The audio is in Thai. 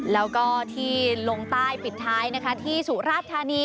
แล้วก็ที่ลงใต้ปิดท้ายนะคะที่สุราชธานี